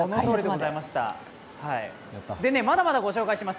でね、まだまだご紹介します